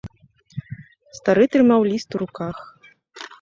Стары трымаў ліст у руках.